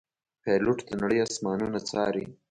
پیلوټ د نړۍ آسمانونه څاري.